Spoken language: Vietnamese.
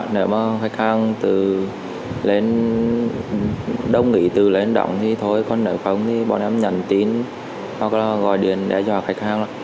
nếu mà khách hàng đồng nghĩ từ lên đồng thì thôi con nợ không thì bọn em nhận tin gọi điện để cho khách hàng